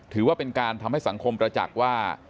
ถือว่าเป็นการทำให้สังคมประจักษ์ว่า